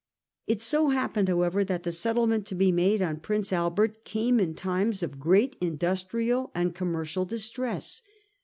It so happened, however, that the settlement to be made on Prince Albert came in times of great industrial and commer cial distress.